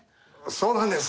そうなんです！